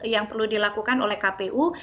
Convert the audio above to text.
yang perlu dilakukan oleh kpu